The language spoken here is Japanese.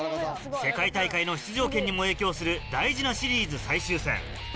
世界大会の出場権にも影響する大事なシリーズ最終戦。